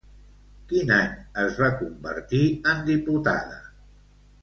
Quin any es va convertir en diputada?